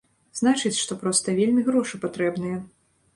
Значыць, што проста вельмі грошы патрэбныя.